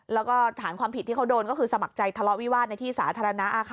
แล้วก็ฐานความผิดที่เขาโดนก็คือสมัครใจทะเลาะวิวาสในที่สาธารณะค่ะ